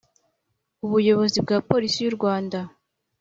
ubuyobozi bwa Polisi y u Rwanda